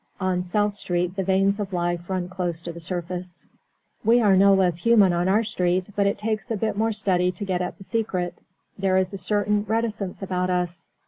On South Street the veins of life run close to the surface. We are no less human on our street, but it takes a bit more study to get at the secret. There is a certain reticence about us.